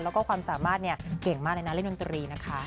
แล้วก็ความสามารถเก่งมากในนักเล่นนวนตรีนะคะ